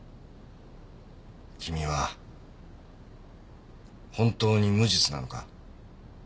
君は本当に無実なのか？